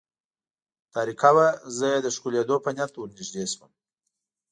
تاریکه وه، زه یې د ښکلېدو په نیت ور نږدې شوم.